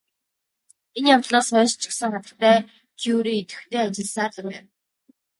Энэ явдлаас хойш ч гэсэн хатагтай Кюре идэвхтэй ажилласаар л байв.